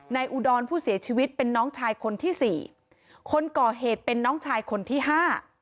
อุดรผู้เสียชีวิตเป็นน้องชายคนที่สี่คนก่อเหตุเป็นน้องชายคนที่ห้า